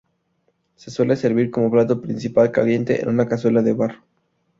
Se suele servir como plato principal, caliente, en una cazuela de barro.